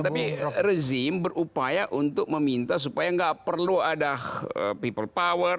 tapi rezim berupaya untuk meminta supaya nggak perlu ada people power